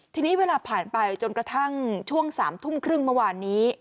ทีนี้เวลาผ่านไปจนกระทั่งช่วง๓ทุ่มครึ่งเมื่อวานนี้